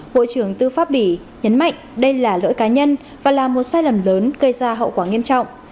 bộ trưởng tư pháp bỉ nhấn mạnh đây là lỗi cá nhân và là một sai lầm lớn gây ra hậu quả nghiêm trọng